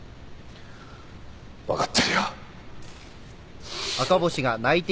分かってるよ。